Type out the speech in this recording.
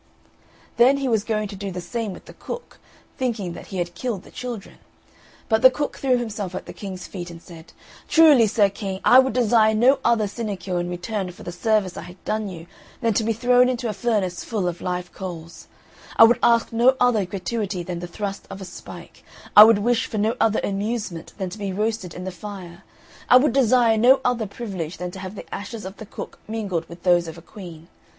Then he was going to do the same with the cook, thinking that he had killed the children; but the cook threw himself at the King's feet and said, "Truly, sir King, I would desire no other sinecure in return for the service I have done you than to be thrown into a furnace full of live coals; I would ask no other gratuity than the thrust of a spike; I would wish for no other amusement than to be roasted in the fire; I would desire no other privilege than to have the ashes of the cook mingled with those of a Queen.